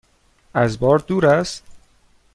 از بار دور است؟